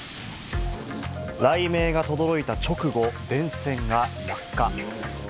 雷鳴が轟いた直後、電線が落下。